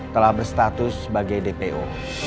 telah berstatus sebagai dpo